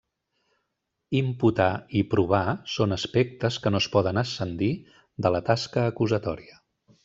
Imputar i provar són aspectes que no es poden ascendir de la tasca acusatòria.